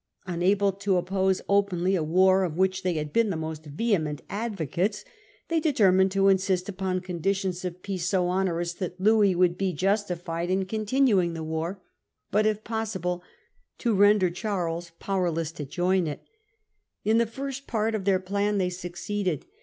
Un able to oppose openly a war of which they had been the most vehement advocates, they determined to insist upon conditions of peace so onerous that Louis would be justified in continuing the war, but if possible to render Charles powerless to join in it In the first part of their plan they succeeded.